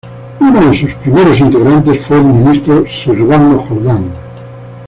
Uno de sus primeros integrantes fue el ministro Servando Jordán.